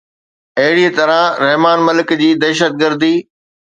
اهڙي طرح رحمان ملڪ جي دهشتگردي